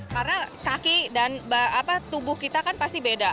karena kaki dan tubuh kita kan pasti beda